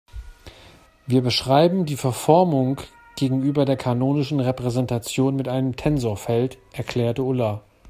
Wir beschreiben die Verformung gegenüber der kanonischen Repräsentation mit einem Tensorfeld, erklärte Ulla.